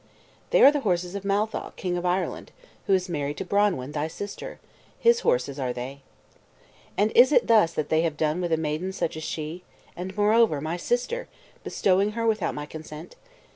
"They are the horses of Matholch, king of Ireland, who is married to Branwen, thy sister; his horses are they." "And is it thus they have done with a maiden such as she, and moreover my sister, bestowing her without my consent?